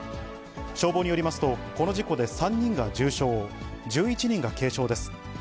消防によりますと、この事故で３人が重傷、１１人が軽傷です。